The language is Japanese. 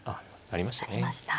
成りました。